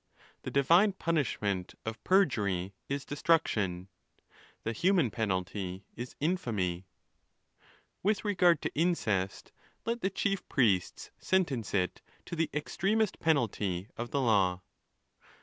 The divine punish ment of perjury is destruction,—the human penalty is infamy, 438 ON THE LAWS. With regard to incest, let the chief priests sentence it to the extremest penalty of the law.